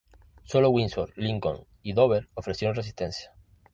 Sólo Windsor, Lincoln y Dover ofrecieron resistencia.